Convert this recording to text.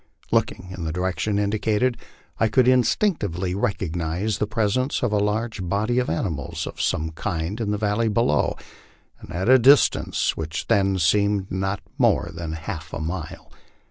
Looking in the direction indicated, I could indistinctly recognize the presence of a large body of animals of some kind in the valley below, and at a distance which then seemed not more than half a mile.